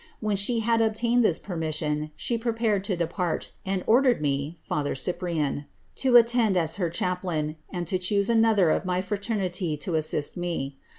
When she had obtained, this permission, she prepared to depart, and ordered me, father Cyprian, to attend her as chaplain, and to choose another of my fraternity to assist me.